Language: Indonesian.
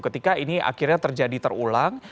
ketika ini akhirnya terjadi terulang